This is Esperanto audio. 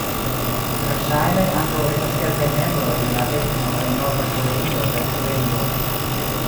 Verŝajne ankaŭ estas kelkaj membroj de la etno en Norda Koreio kaj Siberio.